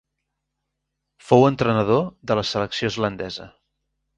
Fou entrenador de la selecció islandesa.